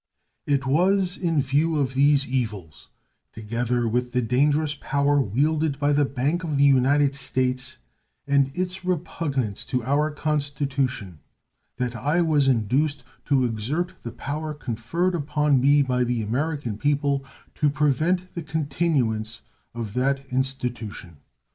It was in view of these evils, together with the dangerous power wielded by the Bank of the United States and its repugnance to our Constitution, that I was induced to exert the power conferred upon me by the American people to prevent the continuance of that institution.